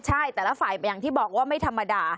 ใช่แต่ละฝ่ายอย่างที่บอกว่าไม่ธรรมดา